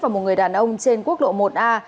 và một người đàn ông trên quốc lộ một a